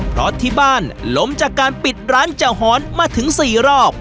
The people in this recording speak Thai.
เพราะที่บ้านล้มจากการปิดร้านเจ้าหอนมาถึง๔รอบ